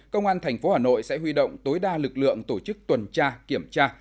công an tp hcm sẽ huy động tối đa lực lượng tổ chức tuần tra kiểm tra